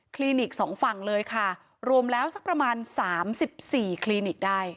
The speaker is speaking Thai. ลิกสองฝั่งเลยค่ะรวมแล้วสักประมาณ๓๔คลินิกได้